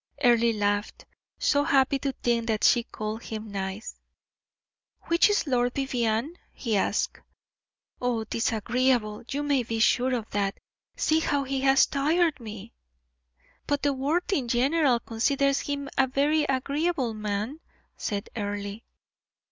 Earle laughed, so happy to think that she called him nice. "Which is Lord Vivianne?" he asked. "Oh, disagreeable, you may be sure of that. See how he has tired me." "But the world in general considers him a very agreeable man," said Earle.